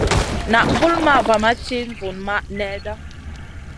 Naʼ vulmaʼ va ma ti vunmaʼ nèhda.